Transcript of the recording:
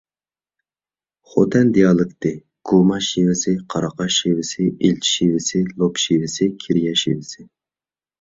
خوتەن دىئالېكتى: گۇما شېۋىسى، قاراقاش شېۋىسى، ئىلچى شېۋىسى، لوپ شېۋىسى، كىرىيە شېۋىسى.